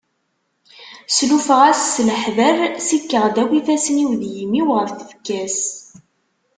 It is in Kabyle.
Slufeɣ-as s leḥder, sikkeɣ-d akk ifassen-iw d yimi-w ɣef tfekka-s.